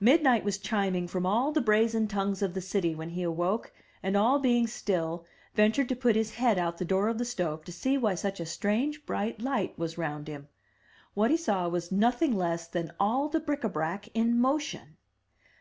Midnight was chiming from all the brazen tongues of the city when he awoke, and, all being still, ventured to put his head out the door of the stove to see why such a strange bright light was round him. What he saw was nothing less than all the bric a brac in motion.